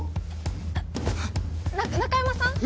な中山さん？